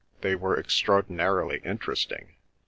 "They were extraordinarily interesting."